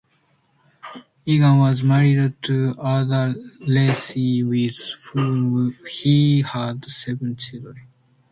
Egan was married to Ada Leahy with whom he had seven children.